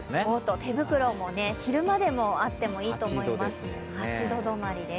手袋も昼間でもあってもいいと思います、８度止まりです。